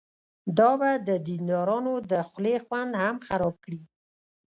دا به د دیندارانو د خولې خوند هم ورخراب کړي.